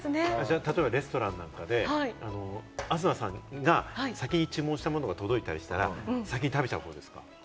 レストランなんかで、東さんが先に注文したもの届いたりしたら、先に食べちゃう方ですか？